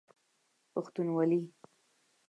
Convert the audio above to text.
پښتونوالی